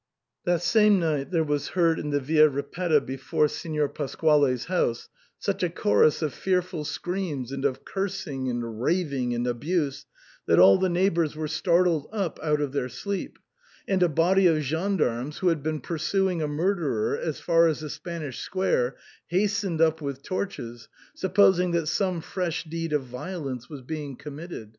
That same night there was heard in the Via Ripetta before Signor Pasquale's house such a chorus of fearful screams and of cursing and raving and abuse that all the neighbours were startled up out of their sleep, and a body of gendarmes, who had been pursuing a murderer as far as the Spanish Square, hastened up with torches, supposing that some fresh deed of violence was being committed.